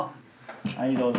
はいどうぞ。